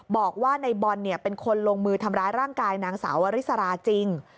บอกว่าในบอลเป็นคนลงมือทำร้ายร่างกายนางสาววริสราจริง